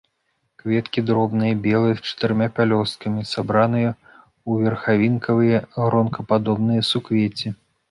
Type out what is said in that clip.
Кветкі дробныя, белыя, з чатырма пялёсткамі, сабраныя ў верхавінкавыя гронкападобныя суквецці.